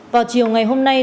vào chiều ngày hôm nay